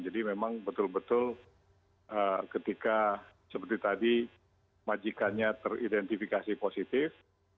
jadi memang betul betul ketika seperti tadi majikannya teridentifikasi positif